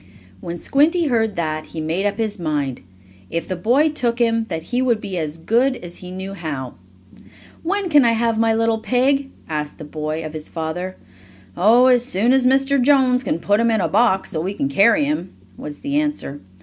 When Squinty heard that, he made up his mind, if the boy took him, that he would be as good as he knew how. "When can I have my little pig?" asked the boy, of his father. "Oh, as soon as Mr. Jones can put him in a box, so we can carry him," was the answer.